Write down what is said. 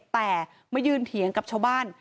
แต่มายืนเถียงกับชาวบ้าน